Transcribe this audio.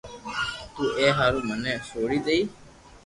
تو اي ھارو مني سوڙي ديئي